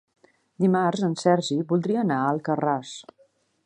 Dimarts en Sergi voldria anar a Alcarràs.